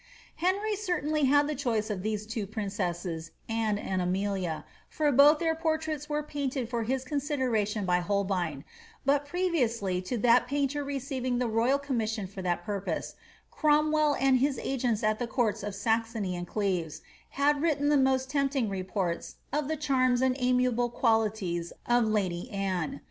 Henry certainly had the choice of these two princesses, Anne and Amelia, for both their portraits were painted for his consideration by Holbein ; but previously to that painter receiving the royal commission for that purpose, Cromwell and his agents at the courts of Saxony and Cleves, had written the most tempting reports of the charms and amiable qualities of lady Anne.